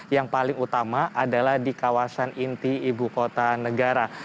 yang paling utama adalah di kawasan inti ibu kota negara